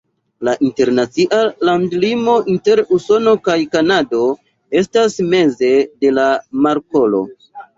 La internacia landlimo inter Usono kaj Kanado estas meze de la markolo.